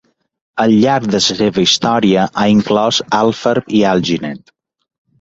Al llarg de la seua història ha inclòs Alfarb i Alginet.